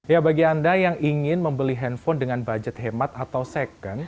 ya bagi anda yang ingin membeli handphone dengan budget hemat atau second